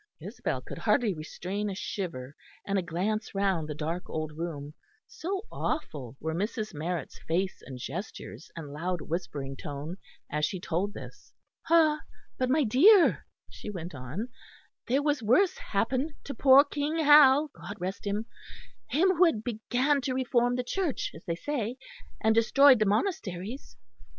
Isabel could hardly restrain a shiver and a glance round the dark old room, so awful were Mrs. Marrett's face and gestures and loud whispering tone, as she told this. "Ah! but, my dear," she went on, "there was worse happened to poor King Hal, God rest him him who began to reform the Church, as they say, and destroyed the monasteries.